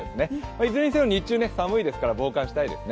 いずれにせよ日中、寒いですから防寒したいですね。